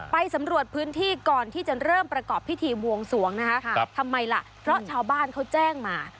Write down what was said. ไปสำรวจพื้นที่ก่อนที่จะเริ่มประกอบพิธีบวงสวงนะคะทำไมล่ะเพราะชาวบ้านเขาแจ้งมา